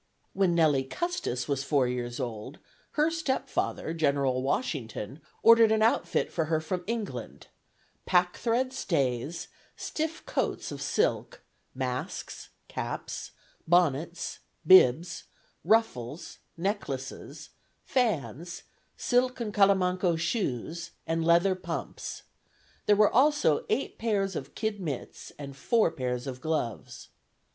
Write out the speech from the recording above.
When Nelly Custis was four years old, her step father, General Washington, ordered an outfit for her from England, "pack thread stays, stiff coats of silk, masks, caps, bonnets, bibs, ruffles, necklaces, fans, silk and calamanco shoes, and leather pumps. There were also eight pairs of kid mitts and four pairs of gloves."